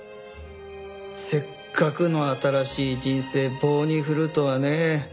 せっかくの新しい人生棒に振るとはね。